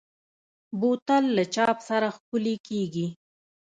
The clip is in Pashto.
بوتل له چاپ سره ښکلي کېږي.